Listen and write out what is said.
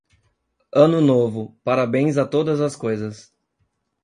Ano Novo, parabéns a todas as coisas